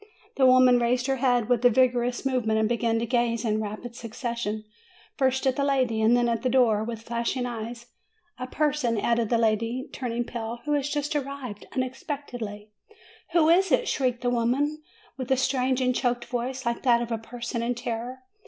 The woman raised her head with a vigorous move ment, and began to gaze in rapid succession, first at the lady and then at the door, with flashing eyes. "A person," added the lady, turning pale, "who has just arrived unexpectedly." "Who is it?" shrieked the woman, with a strange and choked voice, like that of a person in terror.